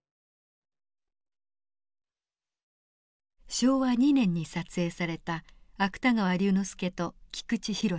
昭和２年に撮影された芥川龍之介と菊池寛です。